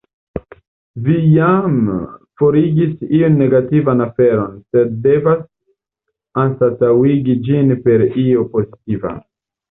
Vi jam forigis iun negativan aferon, sed devas anstataŭigi ĝin per io pozitiva.